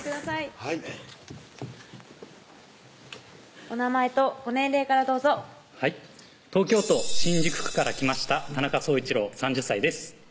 はいお名前とご年齢からどうぞはい東京都新宿区から来ました田中崇一朗３０歳です